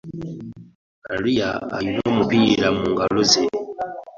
Maria alina omupiira mungaloze .